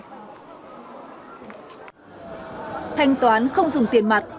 thanh toán không dùng tiền mặt